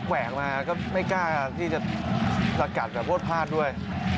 แวกมาก็ไม่กล้าที่จะสกัดแบบพดพลาดด้วย